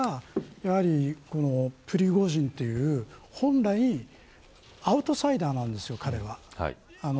それがプリゴジンという本来、アウトサイダーなんですよ彼は。